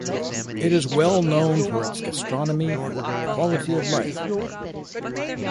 It is well known for its gastronomy and quality of life.